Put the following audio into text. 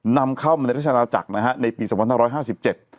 นำเข้ามันในรัฐชนาจักรนะฮะในปีสมรรถ๑๕๗